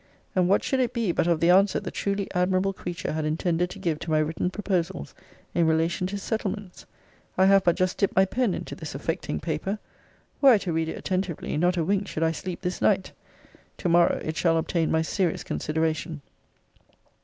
And what should it be but of the answer the truly admirable creature had intended to give to my written proposals in relation to settlements? I have but just dipt my pen into this affecting paper. Were I to read it attentively, not a wink should I sleep this night. To morrow it shall obtain my serious consideration.